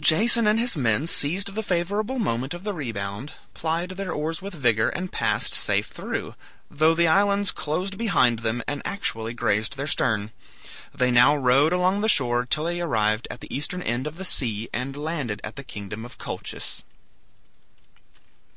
Jason and his men seized the favorable moment of the rebound, plied their oars with vigor, and passed safe through, though the islands closed behind them, and actually grazed their stern. They now rowed along the shore till they arrived at the eastern end of the sea, and landed at the kingdom of Colchis.